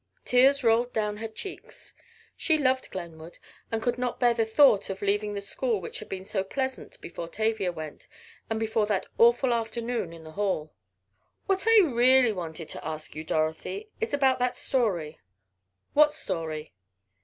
Tears rolled down her cheeks. She loved Glenwood and could not bear the thought of leaving the school which had been so pleasant before Tavia went, and before that awful afternoon in the hall. "What I really wanted to ask you, Dorothy, is about that story." "What story?"